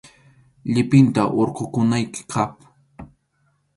Llipinta hurqukunayki kaq.